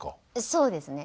そうですね。